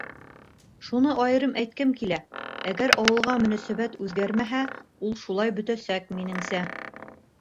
Шуны айырым әйткем килә: әгәр ауылға мөнәсәбәт үҙгәрмәһә, ул шулай бөтәсәк, минеңсә.